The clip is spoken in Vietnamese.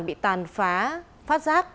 bị tàn phá phát giác